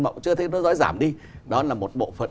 mà cũng chưa thấy nó rõi giảm đi đó là một bộ phận